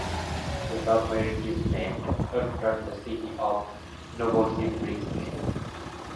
The submarine is named after the city of Novosibirsk.